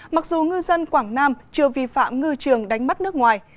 mặc dù ngư dân quảng nam chưa vi phạm ngư trường đánh bắt nước ngoài